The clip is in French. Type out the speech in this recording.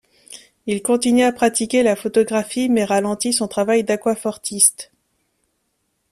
Il continue à pratiquer la photographie mais ralentit son travail d'aquafortiste.